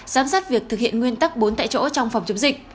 giám sát việc thực hiện nguyên tắc bốn tại chỗ trong phòng chống dịch